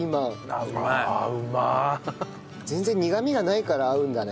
全然苦みがないから合うんだね。